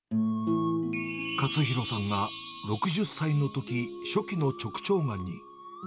勝弘さんが６０歳のとき、初期の直腸がんに。